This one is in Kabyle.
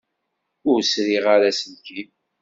Ur sriɣ ara aselkim.